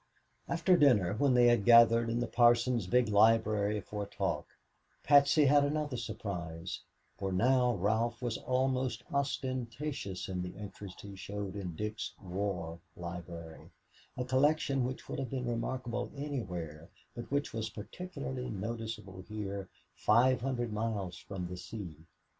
After dinner, when they had gathered in the parson's big library for a talk, Patsy had another surprise, for now Ralph was almost ostentatious in the interest he showed in Dick's war library a collection which would have been remarkable anywhere, but which was particularly noticeable here, five hundred miles from the sea.